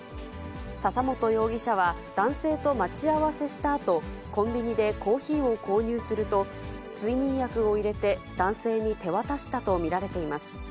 笹本容疑者は、男性と待ち合わせしたあと、コンビニでコーヒーを購入すると、睡眠薬を入れて、男性に手渡したと見られています。